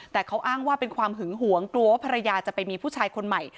แต่เขาอ้างว่าเป็นความหึงหวงกลัวว่าภรรยาจะไปมีผู้ชายคนใหม่